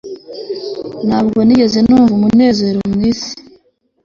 Ntabwo nigeze numva umunezero mwisi